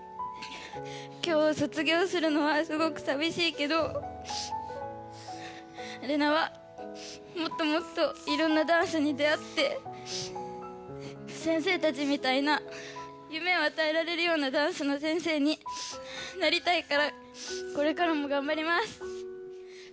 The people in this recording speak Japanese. きょう卒業するのはすごくさみしいけどレナはもっともっといろんなダンスに出あって先生たちみたいな夢をあたえられるようなダンスの先生になりたいからこれからもがんばります。